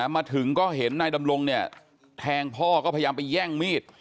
มาถึงก็เห็นนายดำรงเนี่ยแทงพ่อก็พยายามไปแย่งมีด